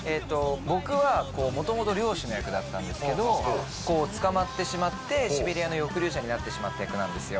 僕はもともと猟師の役だったんですけど捕まってしまってシベリアの抑留者になってしまった役なんですよ